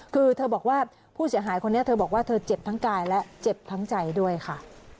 คือเธอบอกว่าผู้เสียหายคนนี้เธอบอกว่าเธอเจ็บทั้งกายและเจ็บทั้งใจด้วยค่ะ